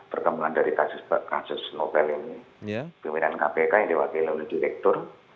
perkembangan dari kasus novel ini pimpinan kpk yang diwakili oleh direktur